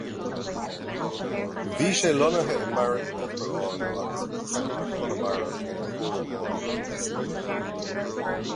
Bhí sé lonnaithe i mbeairic Uachtar Ard agus bhí ceantar Chonamara faoina chúram póilíneachta.